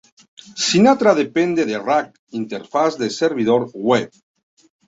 Sinatra depende de Rack interfaz de servidor web.